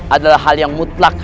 adalah hal yang mutlak